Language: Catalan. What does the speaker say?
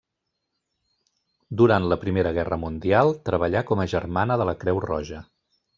Durant la primera guerra mundial treballà com a germana de la Creu Roja.